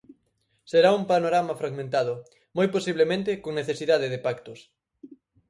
Será un panorama fragmentado, moi posiblemente con necesidade de pactos.